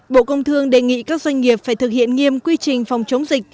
bộ công thương đề nghị các doanh nghiệp phải thực hiện nghiêm quy trình phòng chống dịch